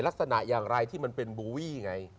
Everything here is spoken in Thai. ลักษณะอย่างไรที่มันเป็นบูวี่ไง